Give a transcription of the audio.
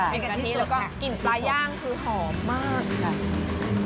เป็นกะทิแล้วก็กลิ่นปลาย่างคือหอมมากค่ะ